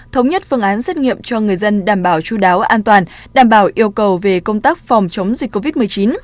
thống nhất phương án xét nghiệm cho người dân đảm bảo chú đáo an toàn đảm bảo yêu cầu về công tác phòng chống dịch covid một mươi chín